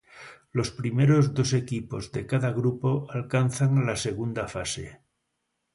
Los primeros dos equipos de cada grupo alcanzan la segunda fase.